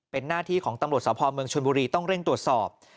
เป็นหน้าที่ของตำรวจสพเมืองชนบุรีต้องเร่งตรวจสอบ